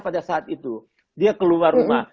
pada saat itu dia keluar rumah